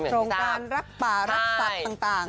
โครงการรับป่ารับสัตว์ต่าง